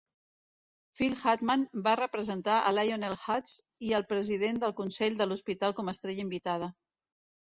Phil Hartman va representar a Lionel Hutz i al president del consell de l'hospital com a estrella invitada.